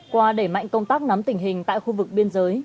qua đẩy mạnh công tác nắm tình hình tại khu vực biên giới